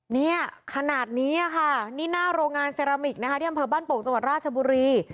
เนี่ยขนาดนี้ค่ะนี่หน้าโรงงานเซรามิกนะคะที่อำเภอบ้านโป่งจังหวัดราชบุรี